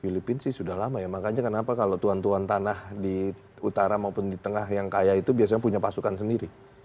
filipina sih sudah lama ya makanya kenapa kalau tuan tuan tanah di utara maupun di tengah yang kaya itu biasanya punya pasukan sendiri